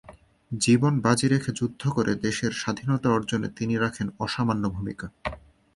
জীবন বাজি রেখে যুদ্ধ করে দেশের স্বাধীনতা অর্জনে তিনি রাখেন অসামান্য ভূমিকা।